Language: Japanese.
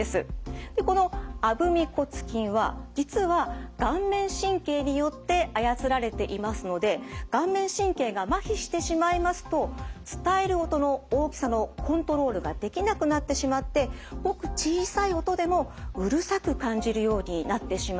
でこのアブミ骨筋は実は顔面神経によって操られていますので顔面神経がまひしてしまいますと伝える音の大きさのコントロールができなくなってしまってごく小さい音でもうるさく感じるようになってしまうんです。